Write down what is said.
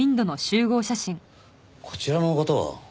こちらの方は？